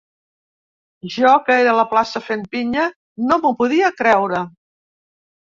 Jo, que era a la plaça fent pinya, no m’ho podia creure.